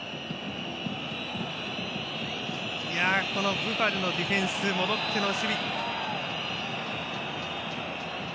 ブファルのディフェンス戻っての守備。